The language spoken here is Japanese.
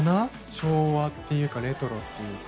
昭和っていうかレトロっていうか。